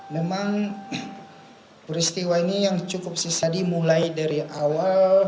memang peristiwa ini yang cukup mulai dari awal